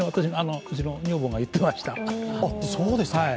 うちの女房が言っていました。